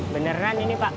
beneran ini pak